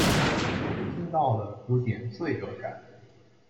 听到了有点罪恶感